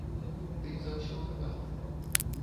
Ты заўсёды аб адным.